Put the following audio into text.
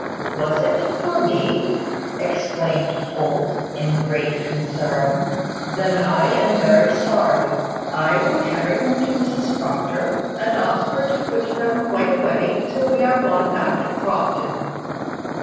"Was it for me?" exclaimed Holt, in great concern. "Then I am very sorry. I will carry them to Mrs Proctor, and ask her to put them quite away till we are gone back to Crofton."